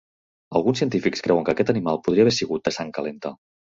Alguns científics creuen que aquest animal podria haver sigut de sang calenta.